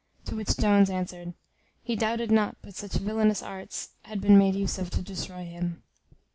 To which Jones answered, "He doubted not but such villanous arts had been made use of to destroy him."